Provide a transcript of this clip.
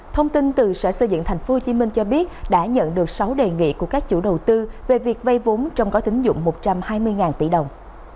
thông tin từ sở xây dựng tp hcm cho biết đã nhận được sáu đề nghị của các chủ đầu tư về việc vay vốn trong gói tính dụng một trăm hai mươi tỷ đồng